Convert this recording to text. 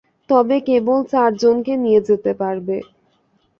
তবে কেবল চারজনকে নিয়ে যেতে পারবে।